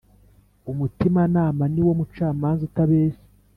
Umutimanama niwo mucamanza utabeshya